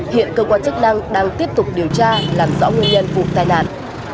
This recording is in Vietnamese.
hiện cơ quan chức năng đang tiếp tục điều tra làm rõ nguyên nhân vụ tai nạn